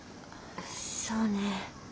そうね。